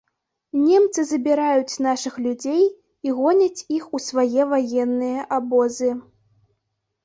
Немцы забіраюць нашых людзей і гоняць іх у свае ваенныя абозы.